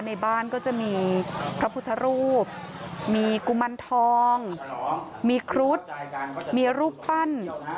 ในบ้านก็จะมีพระพุทธรูปมีกุมันทองมีครุฑมีรูปปั้น